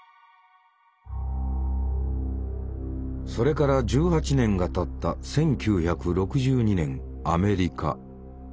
それから１８年がたった１９６２年アメリカ。